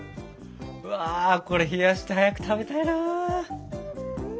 うわこれ冷やして早く食べたいな。